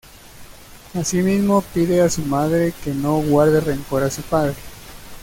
Asimismo pide a su madre que no guarde rencor a su padre.